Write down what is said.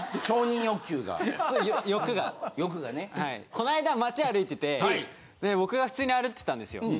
こないだ街歩いてて僕が普通に歩いてたんですよ。